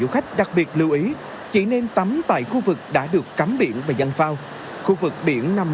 khách đặc biệt lưu ý chỉ nên tắm tại khu vực đã được cắm biển và dân phao khu vực biển nằm